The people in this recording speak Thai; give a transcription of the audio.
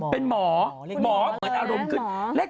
เป็นหมอหมอเหมือนอารมณ์